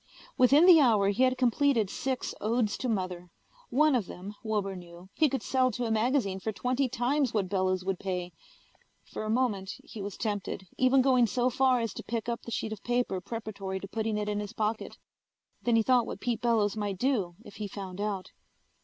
Within the hour he had completed six odes to Mother. One of them, Wilbur knew, he could sell to a magazine for twenty times what Bellows would pay. For a moment he was tempted, even going so far as to pick up the sheet of paper preparatory to putting it in his pocket. Then he thought of what Pete Bellows might do if he found out.